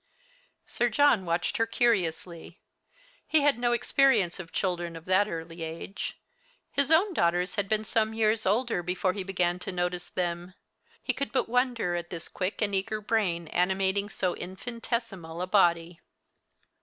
Sir John watched her curiously. He had no experience of children of that early age. His own daughters had been some years older before he began to notice them. He could but wonder at this quick and eager brain animating so infinitesimal a body.